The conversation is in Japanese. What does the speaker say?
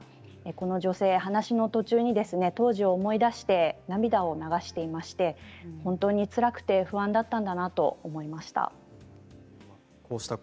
この女性は話の途中で当時を思い出して涙を流していまして本当につらくて不安だったんだなと思いました。